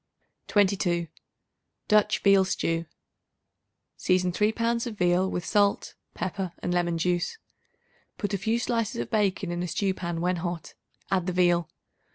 22. Dutch Veal Stew. Season 3 pounds of veal with salt, pepper and lemon juice. Put a few slices of bacon in a stew pan; when hot, add the veal.